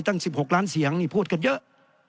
ตั้ง๑๖ล้านเสียงนี่พูดกันเยอะ